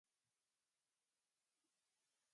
Debe tomarse siempre cocinada, nunca cruda.